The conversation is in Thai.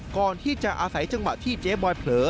ก่อนที่จะอาศัยจังหวะที่เจ๊บอยเผลอ